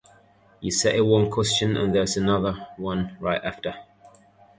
You settle one question and there’s another right after.